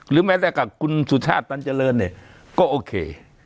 แม้แต่กับคุณสุชาติตันเจริญเนี่ยก็โอเค